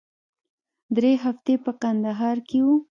درې هفتې په کندهار کښې وو.